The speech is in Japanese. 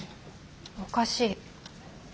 おかしい。